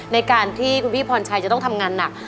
ในการที่คุณพี่พรชัยจะต้องทำงานหนัก